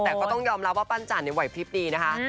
แต่ก็ต้องยอมรับว่าปั้นจ่านในวัยพิพย์นี้นะคะ